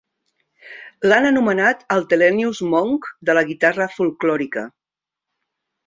L'han anomenat el Thelonious Monk de la guitarra folklòrica.